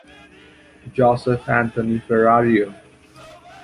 Joseph Anthony Ferrario.